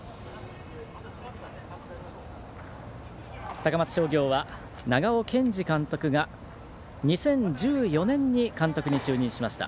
高松商業は長尾健司監督が２０１４年に監督に就任しました。